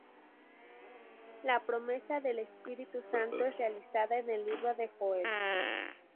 La promesa del Espíritu Santo es realizada en el libro de Joel.